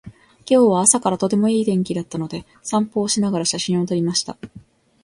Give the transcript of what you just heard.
今日は朝からとてもいい天気だったので、散歩をしながら写真を撮りました。